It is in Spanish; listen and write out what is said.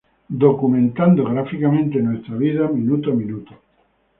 documentando gráficamente nuestra vida minuto a minuto